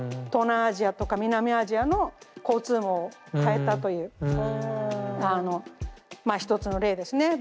東南アジアとか南アジアの交通網を変えたというまあ一つの例ですね。